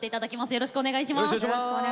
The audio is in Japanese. よろしくお願いします。